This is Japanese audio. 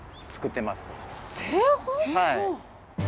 はい。